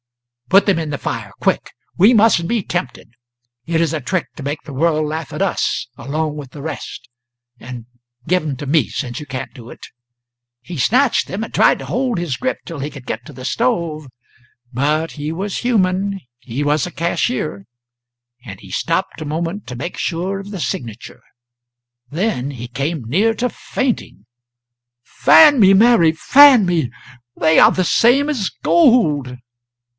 "Put them in the fire! quick! we mustn't be tempted. It is a trick to make the world laugh at us, along with the rest, and Give them to me, since you can't do it!" He snatched them and tried to hold his grip till he could get to the stove; but he was human, he was a cashier, and he stopped a moment to make sure of the signature. Then he came near to fainting. "Fan me, Mary, fan me! They are the same as gold!"